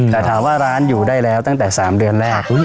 แต่ถามว่าร้านอยู่ได้แล้วตั้งแต่๓เดือนแรก